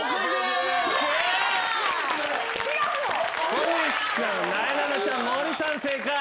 小西君なえなのちゃん森さん正解。